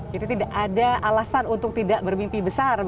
jadi tidak ada alasan untuk tidak bermimpi besar